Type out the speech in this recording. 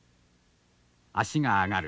足が上がる。